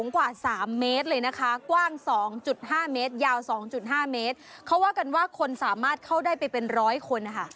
กว้าง๒๕เมตรยาว๒๕เมตรเขาว่ากันว่าคนสามารถเข้าได้ไปเป็น๑๐๐คน